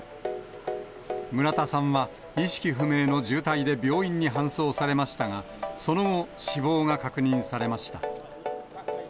村田さんは意識不明の重体で病院に搬送されましたが、その後、死亡が確認されました。